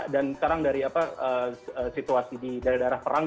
dan sekarang dari situasi di daerah daerah perang